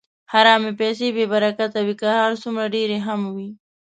حرامې پیسې بېبرکته وي، که هر څومره ډېرې هم وي.